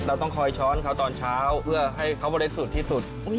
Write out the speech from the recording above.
เราต้องคอยช้อนเขาตอนเช้าเพื่อให้เขาบริสุทธิ์ที่สุด